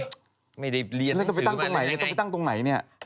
โอ๊ยไม่ได้เรียนหนังสือมันแล้วไงต้องไปตั้งตรงไหนเนี่ย